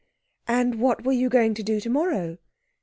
'And what were you going to do tomorrow?'